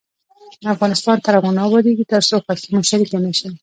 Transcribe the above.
افغانستان تر هغو نه ابادیږي، ترڅو خوښي مو شریکه نشي.